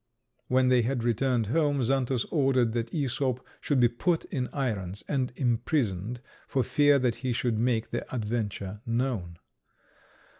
When they had returned home, Xantus ordered that Æsop should be put in irons and imprisoned, for fear that he should make the adventure known.